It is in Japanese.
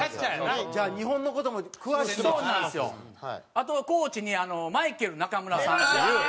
あとコーチにマイケル中村さんっていう。